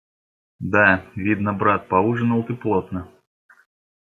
Да, видно, брат, поужинал ты плотно.